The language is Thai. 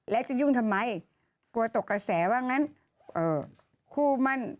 แล้วจะยุ่งทำไมกลัวตกกระแสว่างนั้น